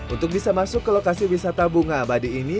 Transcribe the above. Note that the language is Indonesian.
untuk bisa masuk ke lokasi wisata bunga abadi ini